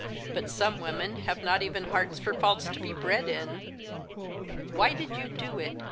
But some women have not even hearts for faults to be bred in. Why did you do it